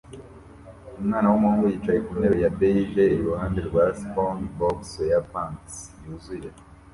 Umwana wumuhungu yicaye ku ntebe ya beige iruhande rwa SpongeBob SquarePants yuzuye